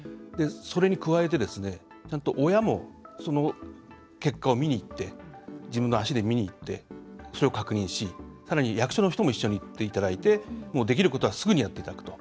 それに加えて、ちゃんと親もその結果を見に行って自分の足で見に行ってそれを確認し、さらに役所の人も一緒に行っていただいてできることはすぐにやっていただくと。